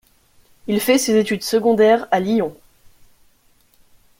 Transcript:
Il fait ses études secondaires à Lyon.